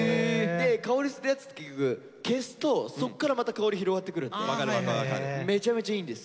で香りするやつって結局消すとそっからまた香り広がってくるんでめちゃめちゃいいんですよ。